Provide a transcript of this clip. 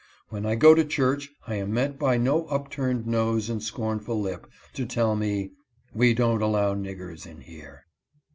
When I go to church I am met by no upturned nose and scornful lip, to tell me —' We don't allow niggers inhere.'"